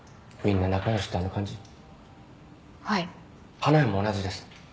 花屋も同じです。